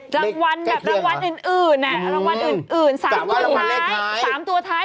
รางวัลแบบรางวัลอื่น๓ตัวท้าย